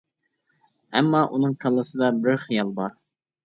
ئەمما، ئۇنىڭ كاللىسىدا بىر خىيال بار.